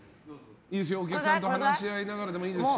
お客さんと話し合いながらでも大丈夫ですよ。